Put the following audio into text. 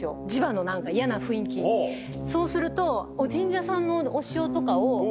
そうすると。